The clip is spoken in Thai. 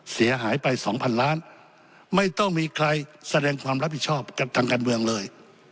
เสียหายไปสองพันล้านไม่ต้องมีใครแสดงความรับผิดชอบกับทางการเมืองเลย